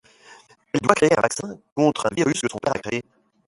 Elle doit créer un vaccin contre un virus que son père a créé.